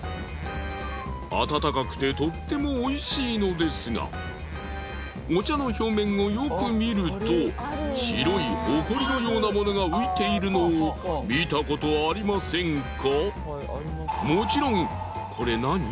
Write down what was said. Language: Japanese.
温かくてとってもおいしいのですがお茶の表面をよく見ると白いホコリのようなものが浮いているのを見たことありませんか？